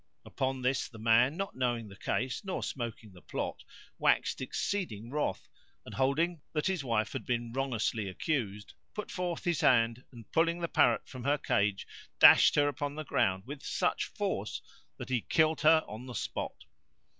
Upon this the man, not knowing the case nor smoking the plot, waxed exceeding wroth; and, holding that his wife had been wrongously accused, put forth his hand and pulling the Parrot from her cage dashed her upon the ground with such force that he killed her on the spot.